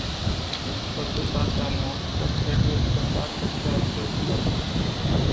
Societatea noastră trebuie să facă și acest lucru.